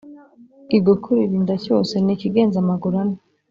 Igikurura inda cyose n ikigenza amaguru ane